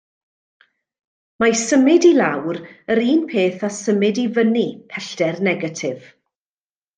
Mae symud i lawr yr un peth â symud i fyny pellter negatif.